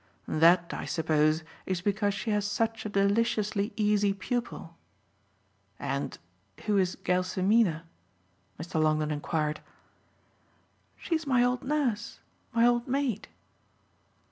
"That, I suppose, is because she has such a deliciously easy pupil. And who is Gelsomina?" Mr. Longdon enquired. "She's my old nurse my old maid."